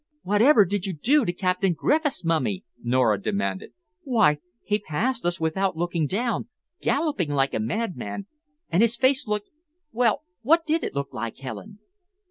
"Whatever did you do to Captain Griffiths, Mummy?" Nora demanded. "Why he passed us without looking down, galloping like a madman, and his face looked well, what did it look like, Helen?"